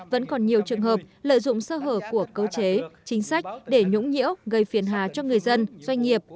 vẫn còn nhiều trường hợp lợi dụng sơ hở của cơ chế chính sách để nhũng nhiễu gây phiền hà cho người dân doanh nghiệp